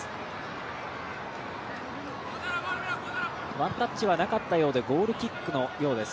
ワンタッチはなかったようでゴールキックのようです。